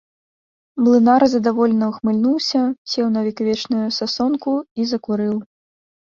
Млынар задаволена ўхмыльнуўся, сеў на векавечную сасонку і закурыў.